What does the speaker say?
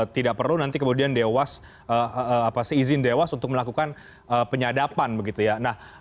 tidak perlu nanti kemudian dewas seizin dewas untuk melakukan penyadapan begitu ya